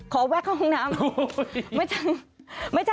แวะเข้าห้องน้ำ